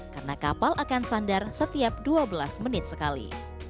karena kapal akan sandar setiap dua belas menit sekali